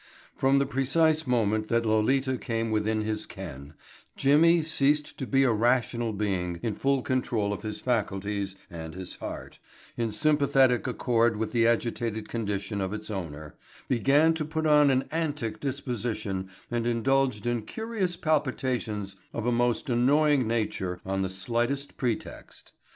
From the precise moment that Lolita came within his ken Jimmy ceased to be a rational being in full control of his faculties and his heart, in sympathetic accord with the agitated condition of its owner, began to put on an antic disposition and indulged in curious palpitations of a most annoying nature on the slightest pretext.